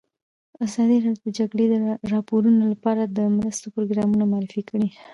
ازادي راډیو د د جګړې راپورونه لپاره د مرستو پروګرامونه معرفي کړي.